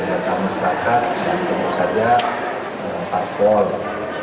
dan tanpa masyarakat bisa ditemukan saja lempar bola